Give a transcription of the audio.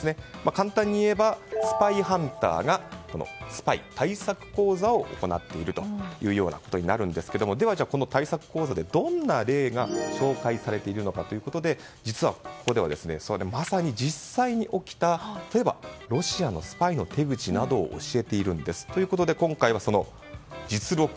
簡単に言えば、スパイハンターがスパイ対策講座を行っているというようなことになりますがでは、対策講座でどんな例が紹介されているのかということで実はここではまさに実際に起きた例えば、ロシアのスパイの手口などを教えているんです。ということで今回は実録！